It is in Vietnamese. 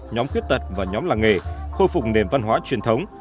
nhóm quyết tật và nhóm là nghề khôi phục nền văn hóa truyền thống